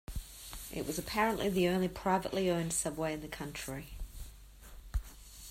It was apparently the only privately owned subway in the country.